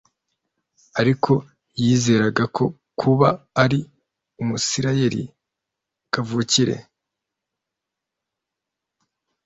Ariko yizeraga ko kuba ari umwisirayeli kavukire,